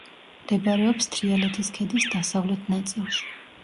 მდებარეობს თრიალეთის ქედის დასავლეთ ნაწილში.